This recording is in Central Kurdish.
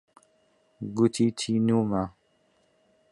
گوتی تینوومە.